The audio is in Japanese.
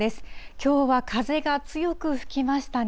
きょうは風が強く吹きましたね。